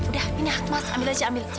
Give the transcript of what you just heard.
udah ini mas ambil aja ambil aja